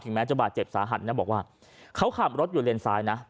ถึงแม้จะบาดเจ็บสาหัสเนี่ยบอกว่าเขาข่ามรถอยู่เลนสายนะ